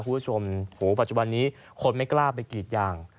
ปัจจุบันนี้คนไม่กล้าไปกรีดยาง